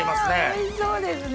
おいしそうですね！